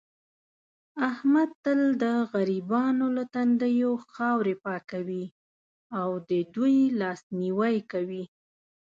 احمد تل د غریبانو له تندیو خاورې پاکوي او دې دوی لاس نیوی کوي.